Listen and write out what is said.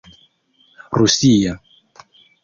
rusia